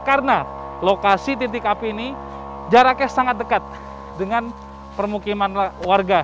karena lokasi titik api ini jaraknya sangat dekat dengan permukiman warga